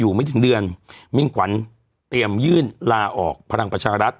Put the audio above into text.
ไม่ถึงเดือนมิ่งขวัญเตรียมยื่นลาออกพลังประชารัฐ